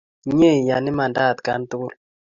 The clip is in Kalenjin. Mye ian imanda atkan yukul